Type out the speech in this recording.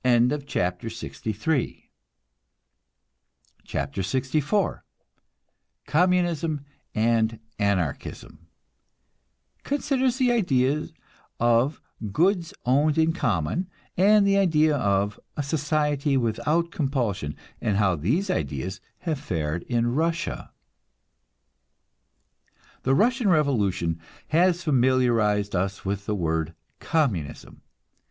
CHAPTER LXIV COMMUNISM AND ANARCHISM (Considers the idea of goods owned in common, and the idea of a society without compulsion, and how these ideas have fared in Russia.) The Russian revolution has familiarized us with the word Communism.